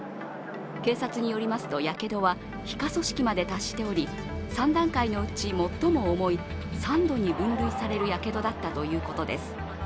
警察によりますと、やけどは皮下組織まで達しており３段階のうち最も重い３度に分類されるやけどだったということです。